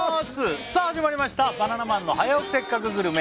さあ始まりました「バナナマンの早起きせっかくグルメ！！」